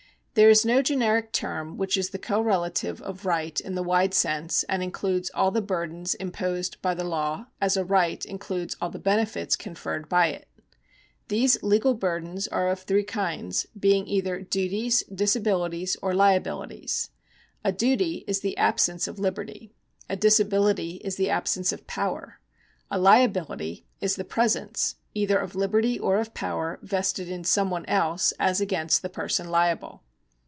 There is no generic term which is the correlative of right in the wide sense, and includes all the burdens imposed by the law, as a right includes all the benefits conferred by it. These legal burdens are of three kinds, being either Duties, Disa bilities, or Liabilities. A duty is the absence of liberty ; a dis ability is the absence of power ; a liability is the presence either of liberty or of power vested in some one else as against the person liable.